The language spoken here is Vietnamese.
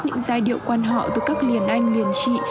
những giai điệu quan họ từ các liền anh liền trị